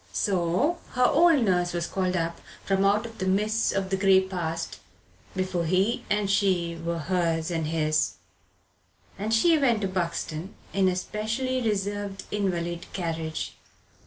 So her old nurse was called up from out of the mists of the grey past before he and she were hers and his, and she went to Buxton in a specially reserved invalid carriage.